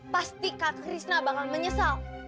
pasti kak krishna bakal menyesal